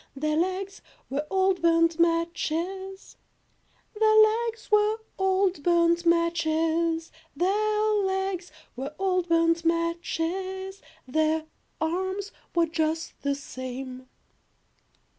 Their legs were old burnt matches, Their legs were old burnt matches, Their legs were old burnt matches, Their arms were just the same.